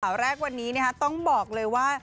ข่าวแรกวันนี้ต้องบอกเลยว่า